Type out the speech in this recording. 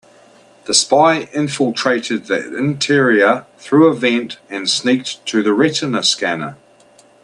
The spy infiltrated the interior through a vent and sneaked to the retina scanner.